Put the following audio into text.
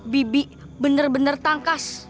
bibi benar benar tangkas